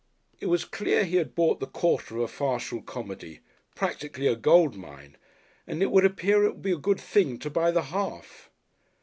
It was clear he had bought the quarter of a farcical comedy practically a gold mine and it would appear it would be a good thing to buy the half.